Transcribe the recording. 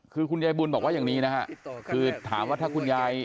คือคุณยายบุญบอกว่าอย่างนี้นะฮะคือถามว่าถ้าคุณยาย